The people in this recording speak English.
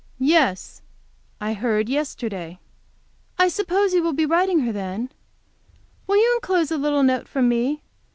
"Yes, I, heard yesterday." "I suppose you will be writing her, then? Will you enclose a little note from me?